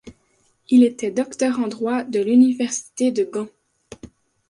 Il était docteur en droit de l'Université de Gand.